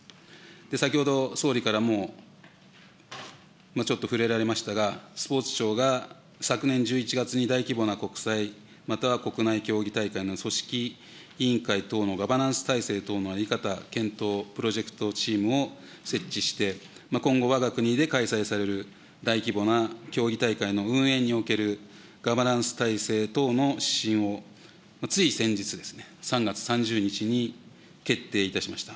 先ほど総理からも、ちょっと触れられましたが、スポーツ庁が昨年１１月に大規模な国際、または国内競技大会の組織委員会等のガバナンス体制等の在り方検討プロジェクトチームを設置して、今後、わが国で開催される大規模な競技大会の運営におけるガバナンス体制等の指針をつい先日ですね、３月３０日に決定いたしました。